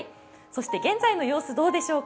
そして現在の様子どうでしょう。